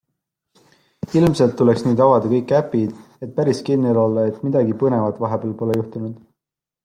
Ilmselt tuleb nüüd avada kõik äpid, et päris kindel olla, et midagi põnevat vahepeal pole juhtunud.